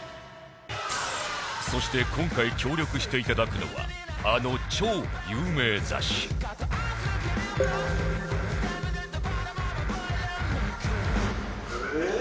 そして今回協力していただくのはあの超有名雑誌えっ？